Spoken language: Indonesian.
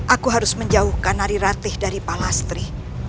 aku harus menjauhkan ari ratih dari pak lastri